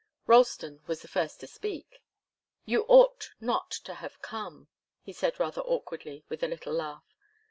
Ralston was the first to speak. "You ought not to have come," he said rather awkwardly, with a little laugh.